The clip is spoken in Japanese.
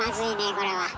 これは。